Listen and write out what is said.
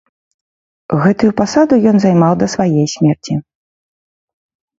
Гэтую пасаду ен займаў да сваей смерці.